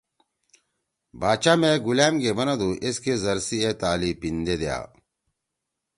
باچا مے گلأم گے بنَدو ایس کے ذر سی اے تالی پیندے دیا۔